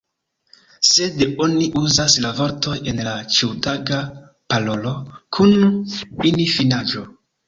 Sed oni uzas la vortoj en la ĉiutaga parolo kun -in-finaĵo.